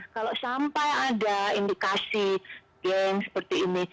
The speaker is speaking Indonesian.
kalau sampai ada indikasi geng seperti ini